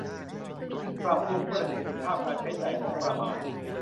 ปรับปรุงประสิทธิภาพการใช้จ่ายงบประมาณ